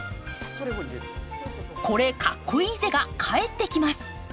「これ、かっこイイぜ！」が帰ってきます。